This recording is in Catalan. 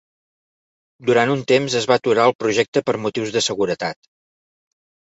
Durant un temps es va aturar el projecte per motius de seguretat.